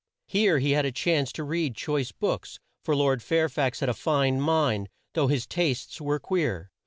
Here he had a chance to read choice books, for Lord Fair fax had a fine mind though his tastes were queer.